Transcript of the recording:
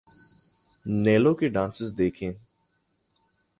نیلو کے ڈانسز دیکھیں۔